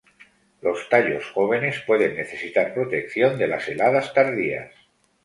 Los tallos jóvenes pueden necesitar protección de las heladas tardías.